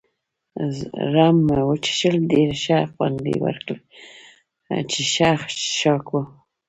رم مو وڅښل، ډېر ښه خوند يې وکړ، چې ښه څښاک وو.